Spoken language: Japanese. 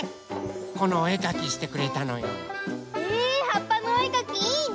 このおえかきしてくれたのよ。えはっぱのおえかきいいね。